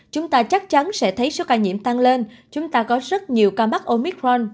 chúng ta chắc chắn sẽ thấy số ca nhiễm tăng lên chúng ta có rất nhiều ca mắc omicron